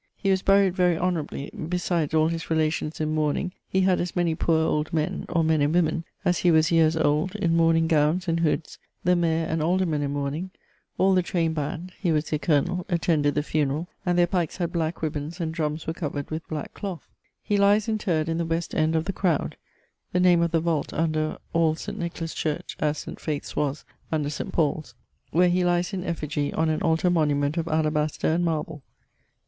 He was buried very honourably; besides all his relations in mourning, he had as many poor old men (or men and woemen) as he was yeares old in mourning gownes and hoodes, the mayor and aldermen in mourning; all the trained band (he was their colonel) attended the funerall and their pikes had black ribons and drummes were covered with black cloath. He lies interred in the west end of the 'Crowd' (the name of the vault under all St. Nicholas Church, as St. Faith's was under St. Paule's), where he lies in effigie on an altar monument of alabaster and marble.